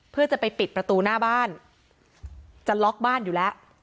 เพื่อจะไปปิดประตูหน้าบ้านจะล็อกบ้านอยู่แล้ว